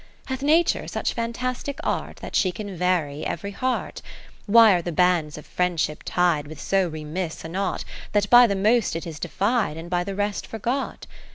Hath Nature such fantastic art, That she can vary every heart ; 30 VI Why are the bands of Friendship tied With so remiss a knot, That by the most it is defied, And by the rest forgot